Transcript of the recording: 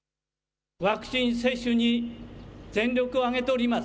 ワクチン接種に全力を挙げております。